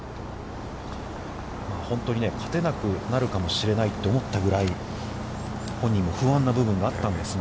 本当に勝てなくなるかもしれないって思ったぐらい、本人も不安な部分があったんですが。